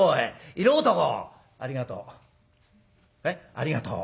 「ありがとう。